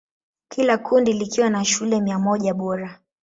Kila kundi likiwa na shule mia moja bora.